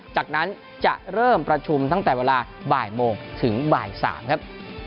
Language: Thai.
จากนั้นจะเริ่มประชุมตั้งแต่เวลาบ่ายโมงถึงบ่าย๓ครับ